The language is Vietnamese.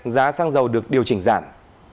giá xăng dầu được điều chỉnh giảm